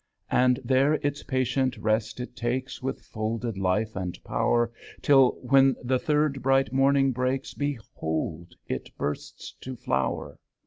And there its patient rest it takes, With folded life and power. Till, when the third bright morning breaks, Behold it bursts to flower!